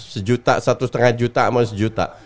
sejuta satu setengah juta sama sejuta